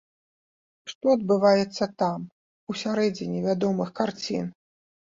Што адбываецца там, у сярэдзіне вядомых карцін?